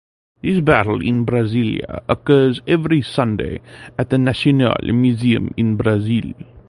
This battle in Brasilia occurs every Sunday at the Nacional Museum of Brazil.